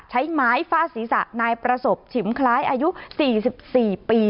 ใช้ไม้ฟาดศีรษะนายประสบฉิมคล้ายอายุ๔๔ปี